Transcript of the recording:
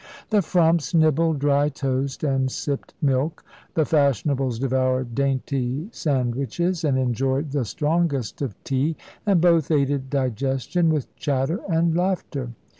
The frumps nibbled dry toast and sipped milk; the fashionables devoured dainty sandwiches and enjoyed the strongest of tea, and both aided digestion with chatter and laughter.